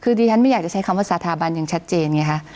คือดิฉันไม่อยากจะใช้คำว่าสถาบันอย่างชัดเจนไงคะ